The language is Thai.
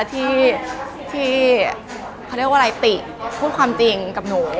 ที่เขาเรียกว่าอะไรติพูดความจริงกับหนู